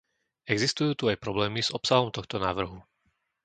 Existujú tu aj problémy s obsahom tohto návrhu.